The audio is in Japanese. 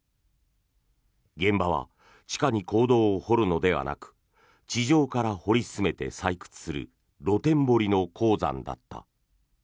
現場は地下に坑道を掘るのではなく地上から掘り進めて採掘する露天掘りの鉱山だった。